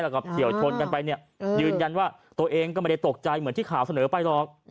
แล้วก็เฉียวชนกันไปเนี่ยยืนยันว่าตัวเองก็ไม่ได้ตกใจเหมือนที่ข่าวเสนอไปหรอก